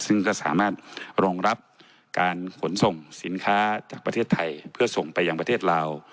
ซึ่งก็สามารถรองรับการขนส่งสินค้าจากประเทศไทยเพื่อส่งไปยังประเทศลาว